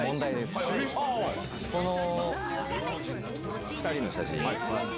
この２人の写真。